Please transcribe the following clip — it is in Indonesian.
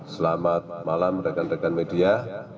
selamat malam rekan rekan media